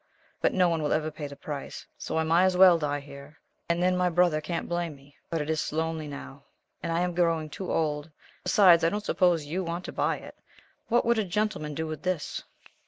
But no one will ever pay the price. So I may as well die here, and then my brother can't blame me. But it is lonely now, and I am growing too old. Besides, I don't suppose you want to buy it. What would a gentleman do with this?"